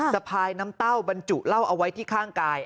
สะพายน้ำเต้าบรรจุเหล้าเอาไว้ที่ข้างกาย